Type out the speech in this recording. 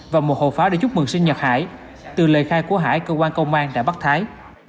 và một hộp pháo để chúc mừng sinh nhật hải từ lời khai của hải cơ quan công an đã bắt thái